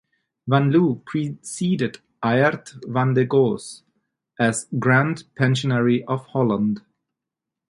Van Loo preceded Aert van der Goes as Grand pensionary of Holland.